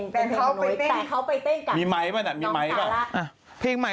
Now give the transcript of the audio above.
เป็นเพลงของนุ้ยแต่เขาไปเต้นกับน้องซาร่า